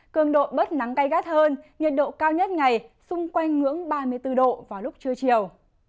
cường độ bớt nắng cay gắt hơn nhiệt độ cao nhất ngày xung quanh ngưỡng ba mươi bốn độ vào lúc trưa chiều